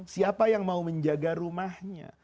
siapa yang mau menjaga rumahnya